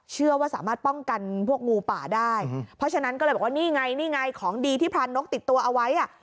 เชื่อว่าสามารถป้องกันพวกงูป่าได้เพราะฉะนั้นก็เลยบอกว่านี่ไงนี่ไงของดีที่พรานนกติดตัวเอาไว้อ่ะ